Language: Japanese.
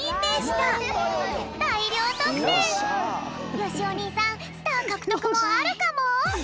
よしお兄さんスターかくとくもあるかも！？